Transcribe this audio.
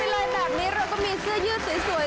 แล้วถ้ารางวัลเป็นอะไรแบบนี้เราก็มีเสื้อยืดสวย